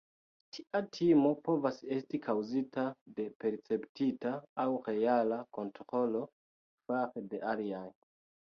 Tia timo povas esti kaŭzita de perceptita aŭ reala kontrolo fare de aliaj.